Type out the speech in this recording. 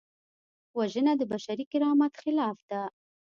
وژنه د بشري کرامت خلاف ده